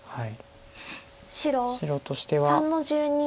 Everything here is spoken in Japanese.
白としては。